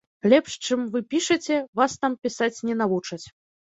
Лепш, чым вы пішаце, вас там пісаць не навучаць.